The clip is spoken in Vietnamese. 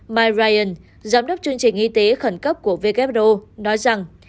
mike ryan giám đốc chương trình y tế khẩn cấp của who nói rằng